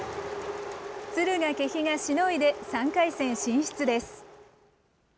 敦賀気比がしのいで、３回戦進出です。